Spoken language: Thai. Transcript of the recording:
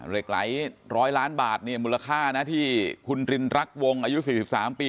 เหล็กไหลร้อยล้านบาทเนี่ยมูลค่านะที่คุณฤิลรักษ์วงศ์อายุสี่สิบสามปี